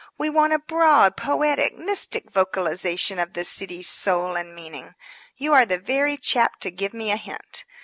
We want a broad, poetic, mystic vocalization of the city's soul and meaning. You are the very chap to give me a hint.